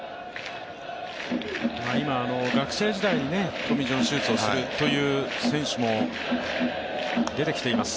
今、学生時代にトミー・ジョン手術をするという選手も出てきています。